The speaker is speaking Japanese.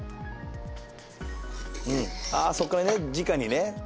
あぁそっからねじかにね。